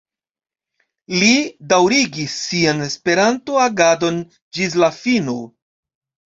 Li daŭrigis sian Esperanto-agadon ĝis la fino.